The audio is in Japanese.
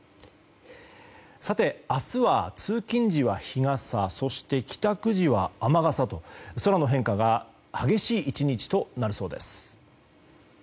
明日は通勤時は日傘そして帰宅時は雨傘と空の変化が激しい１日となりそうです。